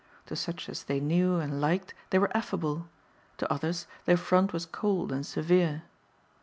To such as they knew and liked they were affable. To others their front was cold and severe.